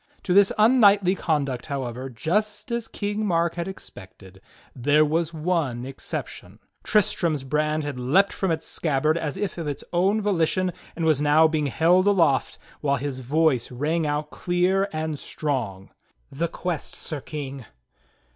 To this unknightly con duct, however, just as King Mark had expected, there was one ex ception — Tristram's brand had leaped from its scabbard as if of its own volition and was now being held aloft, while his voice rang out clear and strong: "The quest. Sir King!"